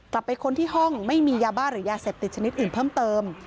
ค้นที่ห้องไม่มียาบ้าหรือยาเสพติดชนิดอื่นเพิ่มเติม